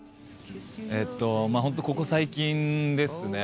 えっとホントここ最近ですね。